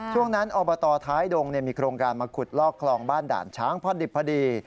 ช่วงนั้นอบตท้ายดงมีโครงการมาขุดลอกคลองบ้านด่านช้างพอดิบพอดี